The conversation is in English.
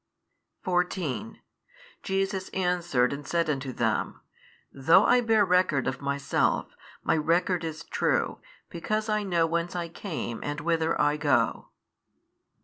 14 Jesus answered and said unto them, Though I hear record of Myself, My record is true, because I know whence I came and whither I go.